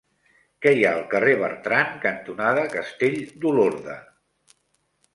Què hi ha al carrer Bertran cantonada Castell d'Olorda?